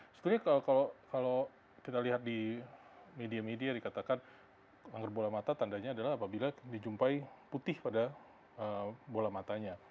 sebetulnya kalau kita lihat di media media dikatakan kanker bola mata tandanya adalah apabila dijumpai putih pada bola matanya